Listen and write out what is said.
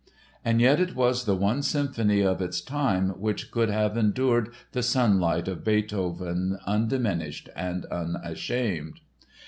And yet it was the one symphony of its time which could have endured the sunlight of Beethoven undiminished and unashamed.